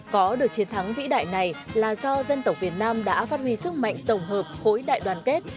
có được chiến thắng vĩ đại này là do dân tộc việt nam đã phát huy sức mạnh tổng hợp khối đại đoàn kết